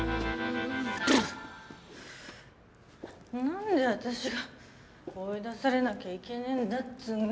何で私が追い出されなきゃいけねえんだっつうの。